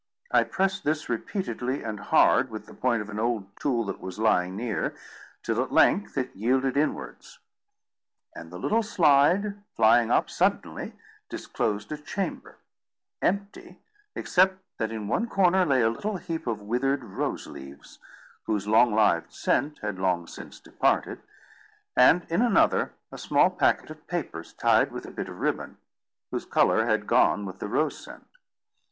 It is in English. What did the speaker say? I pressed this repeatedly and hard with the point of an old tool that was lying near, till at length it yielded inwards; and the little slide, flying up suddenly, disclosed a chamber—empty, except that in one corner lay a little heap of withered rose leaves, whose long lived scent had long since departed; and, in another, a small packet of papers, tied with a bit of ribbon, whose colour had gone with the rose scent.